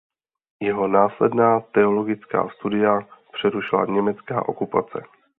Jeho následná teologická studia přerušila německá okupace.